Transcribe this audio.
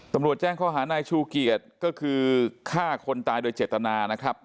ตำรวจแจ้งข้อหานายชูเกียจก็คือฆ่าคนตายโดยเจตนานะครับ